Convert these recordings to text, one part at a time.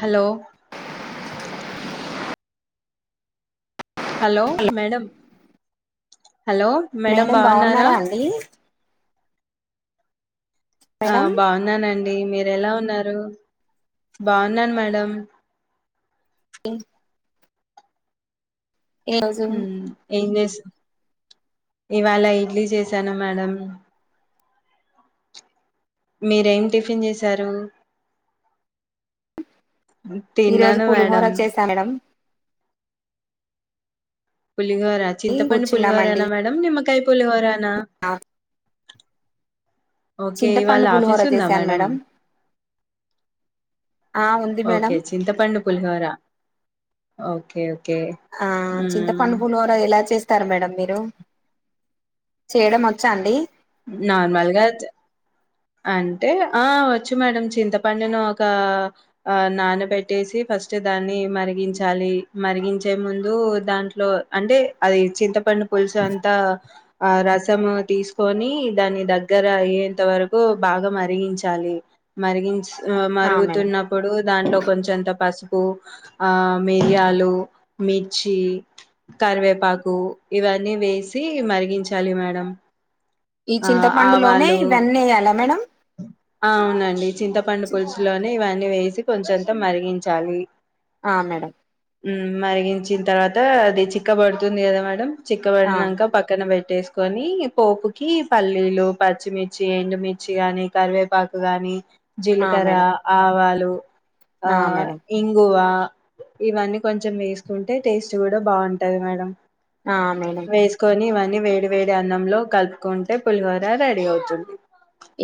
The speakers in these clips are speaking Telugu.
హలో హలో మేడంమ్ మేడం బాగున్నారా అండి ఆ మేడం బాగున్నానండి మీరు మీరు ఎలా ఉన్నారు బాగున్నాను మేడం ఈ రోజు మ్మ్ ఎం చేసు ఇవాళ ఇడ్లీ చేశాను మేడం మీరేం టిఫిన్ చేశారు ఈ రోజు తిన్నాను పులిహోర మేడం చేసా మేడం పులిహోర చింతపండు కూర్చున్నామండి పులిహోరనా మేడం నిమ్మ టైం పులిహోర న ఓకే ఇవాళ్ళ చింతపండు ఆఫీస్ పులిహోర ఉందా చేశాను మేడం ఆ ఉంది మేడం ఓకే చింతపండు పులిహోర ఓకే ఓకే ఆ ఉమ్ చింతపండు పులిహోర ఎలా చేస్ స్తారు మేడం మీరు చేయడం వచ్చా అండి నార్మల్గా వచ్చు అంటే ఆ వచ్చు మేడం చింతపండును ఒక ఆ నానబెట్టేసి ఫస్ట్ దాన్ని మరిగించాలి మరిగించే ముందు దాంట్లో అంటే అది చింతపండు పుల్సు అంతా ఆ రసము తీసుకొని దాని దగ్గర అయ్యేంతవర కు బాగా మరిగించాలి మరిగించి ఆ మరుగుతున్నప్పుడు దాంట్లో కొంచెంత పసు పప్పు ఆ మిరియాలు మిర్చి కరివేపాకు ఇవన్నీ వేసి మరిగించాలి మేడం ఈ ఆ చింతపండులోనే ఆవాలు ఇవన్నీ వేయాలా మేడం అవునండి చింతపండు పులుసులోనే ఇవన్ వేసి కొంచెంత మరిగించాలి ఆ మేడం మ్ మరిగించిన తర్వాత అది చిక్కబడుతుంది కదా మేడం ఆ చిక్కబడినంక పక్కన పెట్ ట్టేసుకొని పోపు కి పల్లీలు పచ్చిమిర్చి ఎండుమిర్చి గాని కరివేపాకు గాని ఆ జీలకర్ర మేడం ఆవాలు ఆ ఇంగువ ఇవన్నీ కొంచెం వేసుకుంటే టేస్ట్ కూడా బావుంటది మేడం ఆ మేడం వేసుకొని మ వేడి వేడి అన్నంలో కల్ప్ కొంటే పులిహార రెడీ అవుతుంది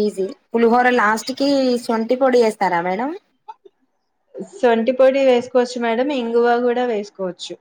ఈజీ పులిహోర లాస్ట్ కి సొంటి పొడి ఏస్తారా మేడం సొంటిపొడి వేసుకోవచ్చు మేడం ఇంగువ కూడా వేసుకోవచ్చు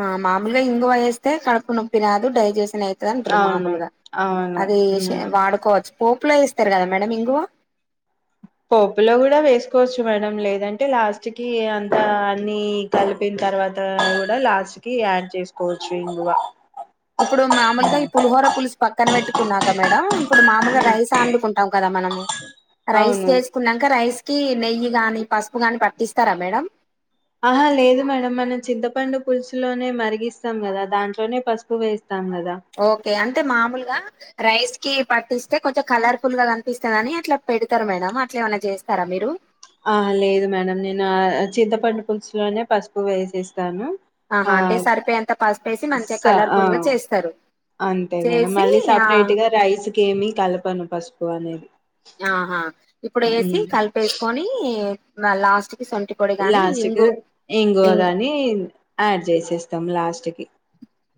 ఆ మాములుగా ఇంగువ ఏస్తే కడుపు నొప్పి రాదు డైజెస్ నైతదంటారు అవును మామూలుగా అవును అది ఏషి హ్మ్ వాడుకోవచ్చు పోపులో ఏస్తారు కదా మేడం ఇంగువ పోపులో కూడా వేసుకోవచ్చు మేడం లేదంటే లాస్ట్ కి అంతా అన్ని కలిపిన తర్వాత కూడా లాస్ట్ కి యాడ్ చేసుకోవచ్చు ఇంగువ ఇప్పుడు మామూలుగా ఈ పులిహోర పులుసు పక్కన పెట్టుకున్నాక మేడం ఇప్పుడు మాములుగా హ్మ్. రైస్ అండుకుంటాం కదా మనము రైస్ అవును చేసుకున్నాక రైస్ కి నెయ్యి గాని పసుపు గాని పట్టిస్తారా మేడం ఆహా లేదు మేడం మనం చింతపండు పులుసులోనే మరిగిస్తాం కదా దాంట్లోనే పసుపు వేస్తా ఓకే అంటే మామూలుగా రైస్ కి పట్టిస్తే కొంచెం కలర్ ఫుల్ గా కనిపిస్తదని అట్లా పెడతారు మేడం అట్లా ఏమైన్నా చేస్తారా మీరు ఆ లేదు మేడం నేను ఆ చింతపండు పులుసులోనే పసుపు వేసేస్తాను ఆహా ఆ అంటే సరిపోయేంత పసుపేసి మంచిగా స ఆ కలర్ఫుల్ గా చేస్తారు అంతే మేడం చేసి మళ్ళీ ఆ సపరేట్ గా రైస్ కి ఏమి కలపను పసుపు [unintelligible] ఆహా ఇప్పుడు వేసి హ్మ్ కలిపేసుకొని మా లాస్ట్ కి సొంటి పొడి గాని లాస్ట్ కి ఇంగు ఇంగువ ఇం గాని యాడ్ చేసేస్తాం లాస్ట్ కి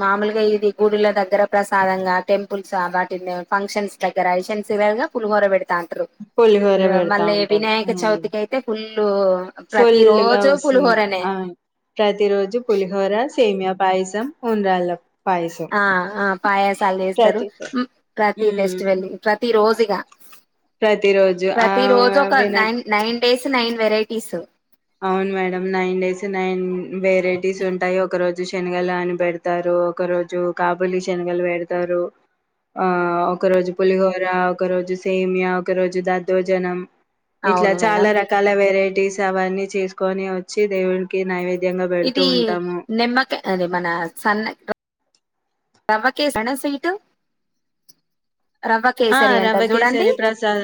మామూలుగా ఇది గుడిలా దగ్గర ప్రసాదంగా టెంపుల్స్ వాటిలో ఫంక్షన్స్ దగ్గర [unintelligible] పులిహోర పెండ పులిహోర [unintelligible] పెడతా మళ్ళీ ఉంటాం వినాయక ఉమ్ చవితికి అయితే ఫుల్ ప్రతి ఫుల్ గా రోజు వస్తుంది పులిహోరనే ఆ ప్రతి రోజు పులిహోర సేమియా పాయసం ఉండ్రాళ్ళు ఆ ఆ పాయసాలు చేస్తారు ప్రతి ము ప్రతి ఉమ్ ఫెస్టివల్ ప్రతి రోజు ఈగా ప్రతి రోజు ఆ ప్రతి రోజు ఒక Vinayaka nine nine days nine varieties అవును madam nine days nine varieties ఉంటాయి ఒక రోజు శనగలు అని పెడతారు ఒక రోజు కాబూలి శనగలు పెడతారు ఆ ఒక రోజు పులిహోర ఒక రోజు సేమియా ఒక రోజు దద్దోజనం ఇట్లా అవును మేడం చాలా రకాల వెరైటీస్ గవానీ చేసుకొని వచ్చి దేవునికి నైవేద్య ఇది నెమ్మక అది మన సన్న రవ్వకేసేనా స్వీట్ రవ్వ ఆ కేసరి రవ్వ అంటారు చూడండి కేసరి ప్రసాద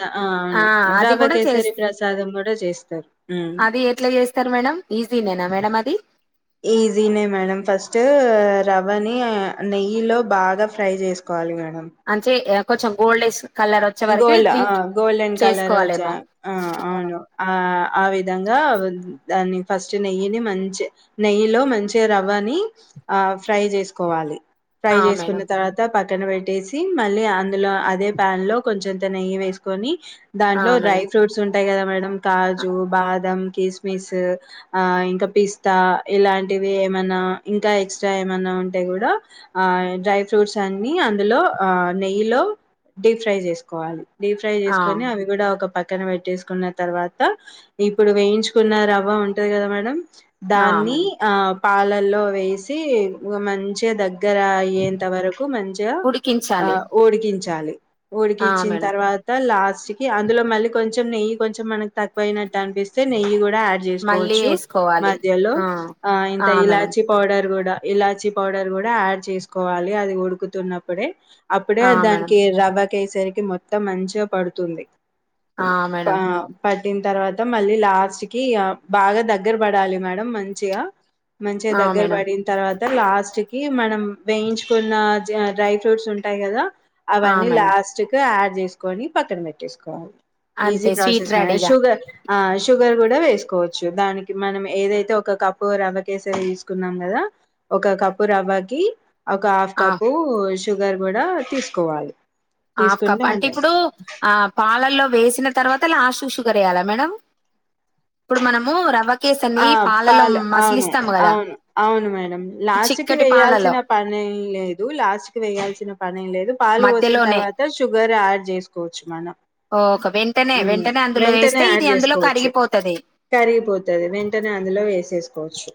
ఆ అవును అది రవ్వ కూడా కేసరి చేస్త ప్రసాదం కూడా చేస్తారు హ్మ్. అది ఎట్లా చేస్తారు మేడం ఈజీ నేనా మేడం అది [unintelligible] ఈజీనే మేడం ఫస్ట్ రవ్వని నెయ్యి లో బాగా ఫ్రై చేసుకోవాలి మేడం అంతే ఇగ కొంచెం గోల్డ్లేెస్ గోల్డ్ ఆ గోల్డెన్ కలర్ వచ్చా చేసుకోవాలేమో ఆ అవును ఆ ఆ విద విధంగా దాన్ని ఫస్ట్ నెయ్యిని మంచి నెయ్యిలో మంచి రవ్వని ఆ ఫ్రై చేసుకోవాలి ఫ్రై ఆ చేసుకున్న మేడం తర్వాత ప పక్కన పెట్టేసి మళ్ళీ అ [unintelligible] అదే ప్యాన్ లో కొంచెంత నెయ్యి వేసుకొని ఆ దాంట్లో డ్రై మేడం ఫ్రూట్స్ ఉ అంతే కదా మేడం కాజు బాదం కిస్మిస్ ఆ ఇంకా పిస్తా ఇలాంటివి ఏమనా ఇంకా ఎక్స్ట్రా ఏమనా ఉంటే కూడా ఆ డ్రై ఫ్రూట్స్ అన్ని అందులో నెయ్యిలో డీప్ ఫ్రై చేసు కోవాలి డీప్ ఫ్రై ఆ చేసుకొని అవి కూడా ఒక పక్ పక్కన పెట్టేసుకున్న తర్వాత ఇప్పుడు వేయించుకున్న రవ్వ ఉంటది కదా మేడ ఆ దాన్ని మేడం ఆ పాలల్లో వేసి మంచిగా దగ్ దగ్గర అయ్యేంత వరకు మంచిగా ఆ ఉడికించాలి ఓడికించాలి ఆ వచ్చిన మేడం తర్వాత లాస్ట్ అందులో మళ్ళీ కొంచెం నెయ్యి కొంచెం మనకు తక్కువనట్టు అనిపిస్తే నెయ్యి యాడ్ మళ్ళీ చేసుకోవచ్చు వేసుకోవాలి మధ్యలో ఆ ఇంత ఆ మేడం ఇలాచి పౌడర్ కూడా ఇలాచి పౌడర్ కూడా యాడ్ చేసుకోవాలి అది ఉడుకుతున్నప్పుడే అప్పుడే ఆ మేడం దానికి రవ్వ కేసరి మొత్తం మంచిగా పడుతుంది ఆ ప మేడం పట్టిన తర్వాత మళ్ళీ లాస్ట్ కి బాగా దగ్గర పడాలి మేడం మంచిగా మంచిగా ఆ దగ్గర మేడం పడిన తర్వా లాస్ట్ కి మనం వేయించుకున్న డ్రై ఫ్రూట్స్ ఉంటాయి కదా ఆ అవన్నీ మేడం లాస్ట్ [unintelligible] యాడ్ చేసుకొని పక్కన పెట్టేసుకోవాలి ఈజీ అంతే స్వీట్ ప్రాసెస్ [unintelligible] రెడీగా షుగర్ షుగర్ కూడా వేసుకోవచ్చు దానికి మనం ఏదైతే ఒక కప్పు రవ్వ కేసరి తీసుకున్నాం కదా ఒక కప్పు రవ్వకి ఒక హాఫ్ ఆ కప్పు షుగర్ కూడా తీసుకోవాలి హఫ్ కప్ అంటే ఇప్పుడు ఆ పాలల్లో వేసిన తర్వాత లాస్ట్ షుగ [unintelligible] మేడం, ఇప్పుడు మనము రవ్వ కేసని ఆ పాలలో పాలు అవును మసిలిస్తాము కదా అవును అవును మేడం లాస్ట్ కి చిక్కటి పాలలో వేయాల్సిన పనేం లేదు లాస్ట్ కి వేయాల్సిన పనేం లేదు పాలు పోసిన మధ్యలోనే తర్వాత ఇక షుగర్ యాడ్ చేసుకోవచ్చు మనం ఓ క మ్మ్ వెంటనే ఆడ్ చేసుకోవచ్చు, కరిగిపోతది కరిగిపోతది వెంటనే అందులో వేసేసు కోవచ్చు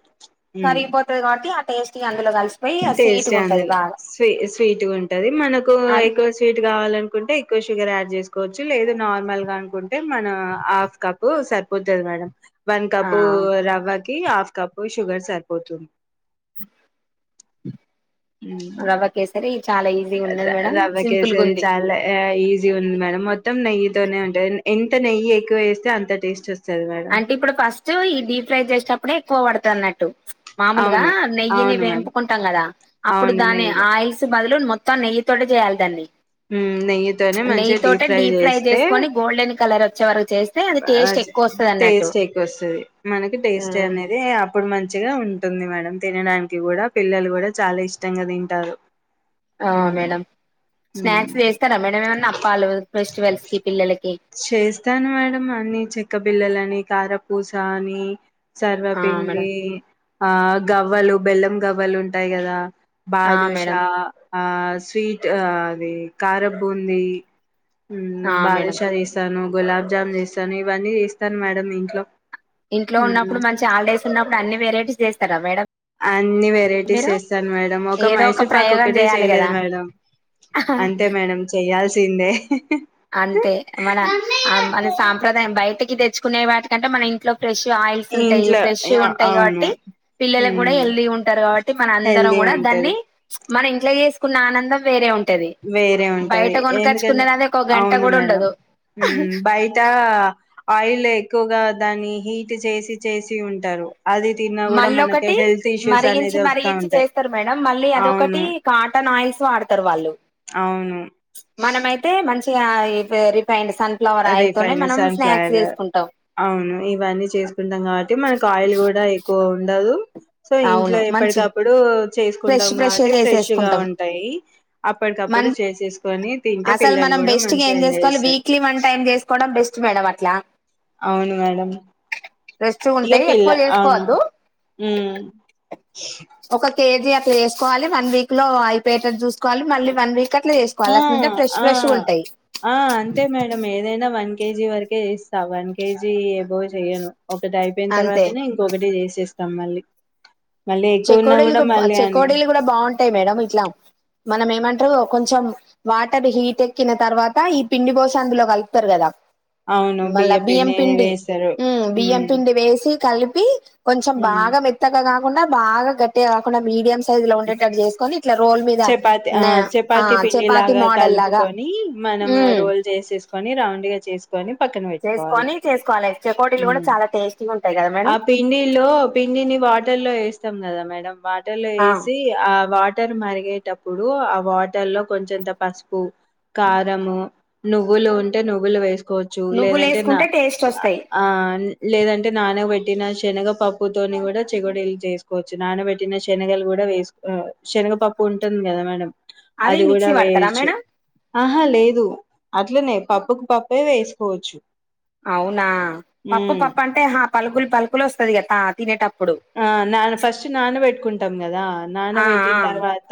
మ్మ్ కరిగిపోతది కాబట్టి ఆ టేస్ట్ ఇగ అందులో కలిసిపోయి ఆ టేస్ట్ స్వీట్గా ఉంటది అందులో బాగా స్వీ స్వీట్గా ఉంటది, మనకు అద్ ఎక్కువ స్వీట్ కావాలనుకుంటే ఎక్కువ షుగర్ ఆడ్ చేస్ కోవచ్చు లేదు నార్మల్ అనుకుంటే మన హాఫ్ కప్ సరిపోతది మేడం వన్ ఆ కప్పూ రవ్వ కీ హాఫ్ కప్ షుగర్ సరిపోతుంది రవ్వ కేసరి చాలా ఈజీగా రు ఉన్నది మేడం రవ్వ సింపుల్గా కేసరి ఉంది చాల ఈజీ ఉంది మేడం మొ త్తం నెయ్యి తోనే ఉంటంది, ఎంత నెయ్యి ఎక్కువ వేస్తే అంత టేస్ట్ వ అంటే ఇప్పుడు ఫస్టు ఈ డీప్ ఫ్రై చేసేటప్పుడే ఎక్కువ పడు తన్నట్టు మామూలుగా అవును నెయ్యిని అవును మేడం వేంపుకుంటాం కదా అప్పుడు అవును దాన్ని నెయ్యిలో ఆయిల్స్ బదులు మొత్తం నెయ్యి తోటే చెయ్యాలి దాన్ని మ్మ్ నెయ్యితోనే మంచిగ డీప్ ఫ్రై చేస్తే చారు చేస్తే అది టేస్ట్ ఎక్కువ వస్ టేస్ట్ ఎక్కువ వస్తది మనకి టేస్ట్ అనేదీ అప్పుడు మంచిగా ఉంటుంది మేడం, తినడానికి కూడా పిల్లలు కూడా చాల ఇష్టంగా తింటారు. ఆ ఉమ్ మేడం ఉమ్ స్నాక్స్ చేస్తరా మేడం ఏమన్నా అప్పాలు, ఫెస్టివల్స్ కి, పిల్లల చేస్తాను మేడం అన్ని చెక్క బిల్లలని కార పూసా అనీ ఆ మేడం సర్వపిండి ఆ గవ్వలు, బెల్లం గవ్వలు ఉంటాయి కదా. ఆ బాదుష మేడం ఆ స్వీట్ ఆ అది కారబూందీ ఆ హ్మ్ మేడం బదుషా తాను గులాబ్ జామ్ చేస్తాను, ఇవన్నీ చేస్తాను మేడం ఇంట్లో. ఇంట్లో హ్మ్. ఉన్నప్పుడు, మంచి హాలిడేస్ ఉన్నప్పుడు, అన్ని వెరైటీస్ చేస్తరా మేడం అన్ని వెరైటీస్ మీరు చేస్తాను మేడం. ఒక ఏదో మైసూర్పాకు ప్రయోగం ఒకటే చేయాలి చేయలేదు కదా మేడం. అంతే మేడం చెయ్యాల్ సిందే అంతే మన ఆ మన సాంప్రదాయం బయటకి తె తెచ్చుకునే వాటికంటే మన ఇంట్లో ఫ్రెష్ ఆయిల్స్ ఉంటాయి ఇంట్లో ఫ్రెష్ యాహ్! ఉంటాయి అవును కాబట్టి పిల్లలకు కూడా హ్మ్. హెల్తీ ఉంటారు కాబట్టి మన అందరం హెల్దీ కూడా దాన్ని ఉంటది ఉస్ మన ఇంట్లో చేసుకున్న ఆనందం వేరే ఉన్ ఉంటది వేరే ఉంటది బయట ఎందుకంటే కొణకచ్చుకునే దద అవును మేడం మ్మ్ బయట ఆయిల్ ఎక్కువగా దాన్ని హీట్ చేసి చేసి ఉంటారు అది తిన్నా కూడా మళ్ళ మనకి ఒకటి హెల్త్ ఇష్యూస్ మరిగించి అనేది వస్తా మరిగించి ఉంటాయి చేస్తారు మేడం మళ్ళీ అదొ అవును ఒకటి కాటన్ ఆయిల్స్ తో వాడుతారు వాళ్ళు అవును మనమయితే మంచ్ యా ఇప రిఫైండ్ ఇస్ రిఫైన్ సన్ఫ్లయర్ చేసుకుంటాం అవును ఇవన్నీ చేసుకుంటాం కాబట్టి మనకు ఆయిల్ కూడా ఎక్ ఎక్కువ ఉండదు సో ఇంట్లో అవును మంచి ఎప్పటికప్పుడు ఫ్రెష్ చేసుకుంటాం కాబట్టి ఫ్రెష్ గా చేసేసుకుంటాం ఉంటాయి అప్పటికప్పుడు మన్ చేసేసుకొని తింటే అసలు పిల్లలు మనం కూడా బెస్ట్ గా మంచిగా ఏం ఎంజాయ్ చేసుకోవాలి చేస్తారు వీక్లీ వన్ టైం చేసుకోవడం బెస్ట్ మేడం ఆ లా అవును మేడం రెస్ట్ ఇగ ఉంటాయి పిల్ల ఎక్కువ అవును చేసుకోవద్దు ఉమ్ ఒక కేజీ అట్ల వేసుకోవాలి వన్ వీక్ లో అయిపోయేటది చూసుకోవాలి మళ్ళీ వన్ వీక్ అట్లా ఆ చేసుకోవాలి అట్లుంటే ఫ్రెష్ ఆ ఫ్రెష్ ఉంటాయి ఆ అంతే మేడం ఏదైనా వన్ కేజీ వరకే చేస్తా వన్ కేజీ ఏబో చెయ్యను ఒకటి అయిపోయిన అంతే తర్వాతనే ఇంకొకటి చేసేస్ తమ్మలి చెకొడీలు బాచెకోడీలు కూడా బాగుంటాయి మేడం ఇట్లా మనం ఏమంటారు కొంచెం వాటర్ హీట్ ఎక్కిన తర్వాత ఈ పిండి పోస అందులో కలుపుతారు కదా అవును మళ్ళా బియ్యం బియ్యపిండి నే పిండి వేశారు ఉమ్ బియ్యం మ్మ్ పిండి వేసి కలిపి కొంచెం బాగ మెత్తగా గాల్ ఉన్నార్ బాగా గట్టిగా కాకుండా మీడియం స్ సైజ్ లో ఉండేటట్టు చేసుకోని ఇట్లా రోల్ మీద చపాతి ఆ నా ఆ చపాతి పిండి చపాతి లాగా మోడల్ లాగా కలుపుకొని మనం ఉమ్ రోల్ చేసేసుకొని రౌండ్ గా చేసు చేసుకొని చేసుకోవాలి చెకోడీలు కూడా ఉమ్ చాలా టేస్టీగా ఉంట ఆ పిండిలో పిండిని వాటర్ లో వేస్తాం కదా మేడ వా ఆ వేసి ఆ వాటర్ మరి ఏగేటప్పుడు ఆ వాటర్ లో కొంచంత పసుపు కారం నువ్వులు ఉంటే నువ్వులు వేసు కోవచ్చు నువ్వులు లేదంటే న వేసుకుంటే టేస్ట్ వస్తాయి అ ఆ లేదంటే పెట్టిన శనగపప్పు తోని కూడా చెగోడీలు చేసుకోవచ్చు నానబెట్టిన శనగలు కూడా వేసు శనగపప్పు ఉంటుంది కదా మేడం అది కూడా మిక్సీ పడతారా వేయచ్చు మేడం ఆహా లేదు అట్లనే పప్పుకు పప్పే వేసుకోవచ్చు అవునా పప్పు హ్మ్. పప్పు అంటే పలుకులు పలుకులు వస్తది గద తినేటప్పు ఆ నాన్న ఫస్ట్ నానబెట్టుకుంటాం కదా ఆ ఆ నానబెట్టిన తర్వాత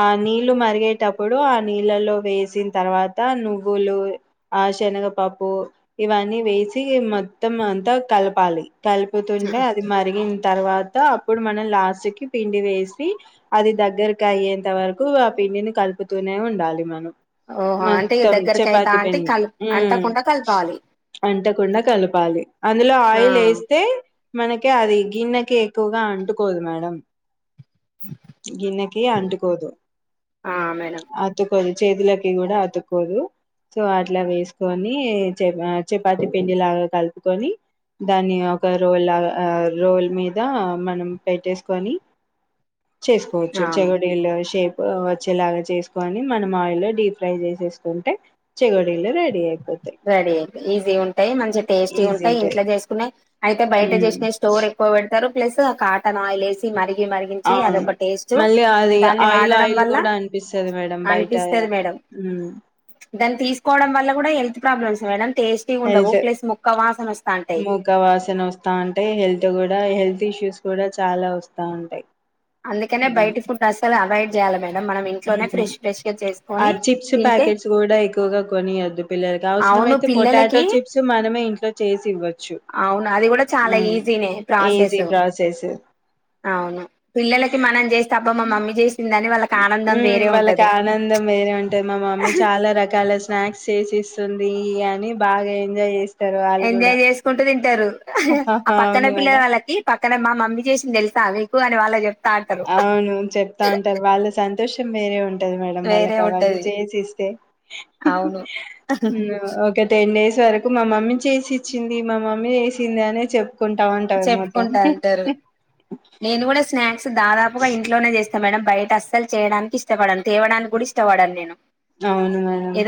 ఆ నీళ్ళు మరిగేటప్పుడు ఆ నీళ్ళలో వేసిన తర్వాత నువ్వులు ఆ శనగపప్పు ఇవన్నీ వేసి మొత్తం అంతా కలపాలి కలుపుతుండే అది మరి తర్వాత అప్పుడు మనం లాస్ట్ కి పిండి వేసి అది దగ్గరకు అయ్యేంత వరకు ఆ పిండిని కలుపుతూనే ఉండాలి మనం ఓహో అంటే ఇగ మొత్తం దగ్గరకి అయితా చపాతి అంటే పిండి కల్ అంటకుండా కలపాలి అంటకుండా కలపాలి అందులో ఆ ఆయిల్ వేస్తే మనకే అది గిన్నెకి ఎక్కువగా అంటుకోదు మేడం గిన్నెకి అంటుకోదు ఆ మేడం అతుకోదు చేతులకి కూడా అతుకోదు సో అట్లా వేసుకొని చపాతి పిండి లాగ కలుపుకొని దాని ఒక రోల్ లాగ రోల్ మీద మనం పెట్టేసుకొని చేసుకోవచ్చు ఆ చెగోడీలు షేప్ వచ్చేలాగా చేసుకొని మనం ఆయిల్లో డీప్ ఫ్రై చేసేసుకుంటే చెగోడీలు రెడీ అయిపో రెడీ అయితయి ఈజీ గ ఉంటయి మంచి టేస్టీ గ ఈజీ ఉంటయి ఉంటది ఇంట్లో చేసుకునే అయితే బయట ఉమ్ చేసిన స్టోర్ ఎక్కువ ప్లస్ ఆ కాటన్ ఆయిల్ వేసి మరి మరిగించి అవును అదొక టేస్ట్ మళ్ళీ అది దాన్ని ఆయిల్ వాడడం ఆయిల్ వల్ల కూడా అనిపిస్తది మేడం బయట అనిపిస్తది మేడం మ్మ్ దాన్ని తీసుకోవడం వల్ల కూడా హెల్ ప్రాబ్లమ్స్ మేడమ్ హెల్త్ వస్తాంటాయి మూక వాసన వస్తాంటయి హెల్త్ కూడా హెల్త్ ఇష్యూస్ కూడా చాలా వస్తా ఉంటాయి అందుకనే బయట ఫుడ్ అస్సలు అవయిడ్ జాల ఈ ఆ చిప్స్ తింటే ప్యాకెట్స్ కూడా ఎక్కువగా కొనియద్దు. పిల్లలకి అవును అవసరంమయితే, పొటాటో పిల్లలకి చిప్స్ మనమే, ఇంట్లో చేసి ఇవ్వచ్చు. అవును అది కూడా చాలా ఉ ఈజీనే ప్రాసెస్ ఈజీగా చేసియచ్ అవును పిల్లలకి మనం చేస్తాబ మా మమ్మీ చేసింది ఉ వాళ్ళకి ఆనందం వేరే ఉంటది. మా మమ్మీ చాలా రకాల స్నాక్స్ చేసిస్తుంది అని బాగా ఎంజాయ్ చేస్ ఎంజాయ్ చేసుకుంటూ తింటారు. ఆ పక్కన అవును మేడం పిల్లగాళ్ళకి పక్ ఇక్కడ మా మమ్మీ చేసింది తెలుసా? మీకు అని వాళ్ళకి చెప్ అవును చెప్తా అంటరు వాళ్ళు సం తష్ మ్ దేవ్ లేదు మేడమ్ వేరే వాళ్ళకి అవన్నీ ఉంటది చేసిస్తే అవును ఒక టెన్ డేస్ ఇంత వరకు మా మమ్మీ చేసి ఇచ్చింది. మా మమ్మీ చేసిందా అని చెప్ ఉంటామంటారు మొత్తం చెప్పుకుంటా అంటారు నేను కూడా స్నాక్స్ దాదాపుగా ఇంట్లోనే చేస్ మేడం బయట అస్సలు చేయడానికి ఇష్టపడను, తేవడానికి కూడా ఇష్టపడను నేను అవును మేడం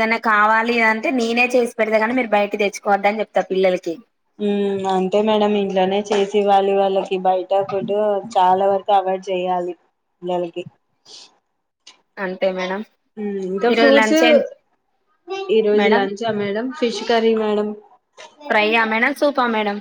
ద అంటే నేనే చేసి పెడతాగానీ, మీరు బయట తెచ్చుకోవద్దని చెప్తా పిల్లలకి, ఉ అంతే మేడమ్ ఇంట్లోనే చేసి ఇవ్వాలి. వాళ్ళకి బయట పుడ్ చాలా వరకు, అవాయిడ్ చేయాలి. పిల్లలకి. అంతే మేడం ఉమ్ ఇంకా ఈరోజు ఫ్రూట్స్, లంచ్ ఏంటి ఈ రోజు మేడం లంచా madam fish curry madam fry యా మేడం సూప్ అ మేడం